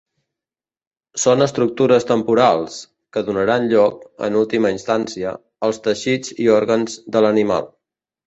Són estructures temporals, que donaran lloc, en última instància, als teixits i òrgans de l'animal.